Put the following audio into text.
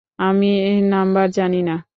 আমি নাম্বার জানি না।